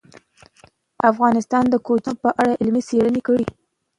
افغانستان د کوچیان په اړه علمي څېړنې لري.